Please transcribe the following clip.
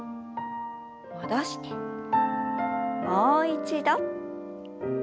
戻してもう一度。